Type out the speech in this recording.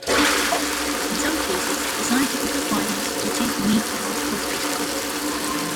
In some cases, the scientific requirements dictate the need for multiple spacecraft.